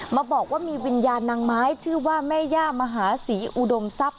มาบอกว่ามีวิญญาณนางไม้ชื่อว่าแม่ย่ามหาศรีอุดมทรัพย